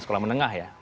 sekolah menengah ya